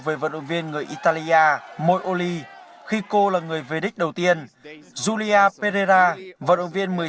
về vận động viên người italia mooli khi cô là người về địch đầu tiên julia pereira vận động viên một mươi sáu